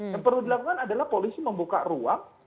yang perlu dilakukan adalah polisi membuka ruang